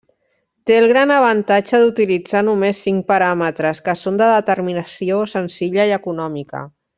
Té el gran avantatge d’utilitzar només cinc paràmetres, que són de determinació senzilla i econòmica.